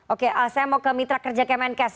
oke saya mau ke mitra kerja kemenkes